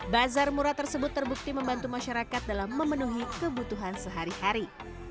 bazar murah tersebut terbukti membantu masyarakat dalam memenuhi kebutuhan sehari hari